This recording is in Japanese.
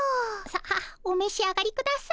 さあお召し上がりください。